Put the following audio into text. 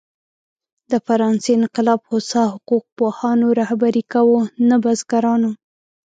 د فرانسې انقلاب هوسا حقوق پوهانو رهبري کاوه، نه بزګرانو.